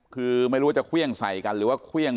คือไม่รู้ว่าจะเควี้ยงใส่กัน